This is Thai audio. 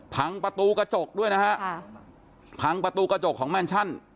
พังประตูกระจกด้วยนะฮะค่ะพังประตูกระจกของแมนชั่น